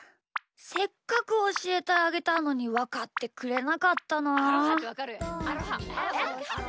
せっかくおしえてあげたのにわかってくれなかったなあ。